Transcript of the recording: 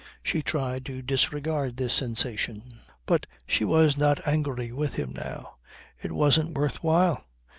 She tried to disregard this sensation. But she was not angry with him now. It wasn't worth while.